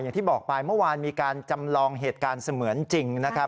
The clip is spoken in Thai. อย่างที่บอกไปเมื่อวานมีการจำลองเหตุการณ์เสมือนจริงนะครับ